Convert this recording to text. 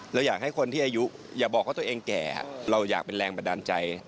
เราอยากให้คนที่อายุอย่าบอกว่าตัวเองแก่เราอยากเป็นแรงบันดาลใจ